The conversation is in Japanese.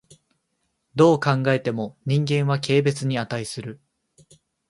どう考えても人間は軽蔑に価する。